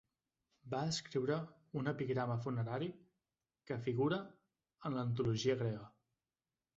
Va escriure un epigrama funerari que figura en l'antologia grega.